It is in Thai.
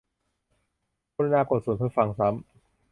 กรุณากดศูนย์เพื่อฟังซ้ำ